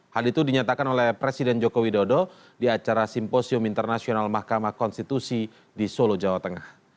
hal itu dinyatakan oleh presiden joko widodo di acara simposium internasional mahkamah konstitusi di solo jawa tengah